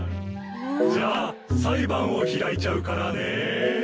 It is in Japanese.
じゃあ裁判を開いちゃうからね。